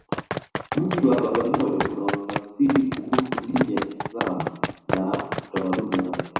mji wa bagamoyo unaotafsiri kuhusu dini ya kiislamu na utamaduni wake